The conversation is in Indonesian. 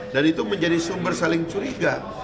dan itu menjadi sumber saling curiga